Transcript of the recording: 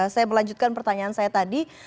saya melanjutkan pertanyaan saya tadi